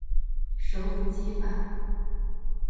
首府基法。